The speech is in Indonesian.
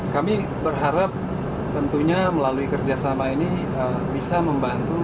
kami berharap tentunya melalui kerjasama ini bisa membantu